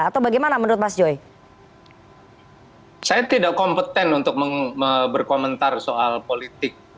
atau bagaimana menurut mas joy saya tidak kompeten untuk berkomentar soal politik